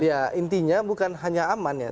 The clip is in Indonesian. ya intinya bukan hanya aman ya